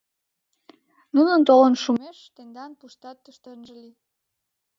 Нунын толын шумеш, тендан пушдат тыште ынже лий!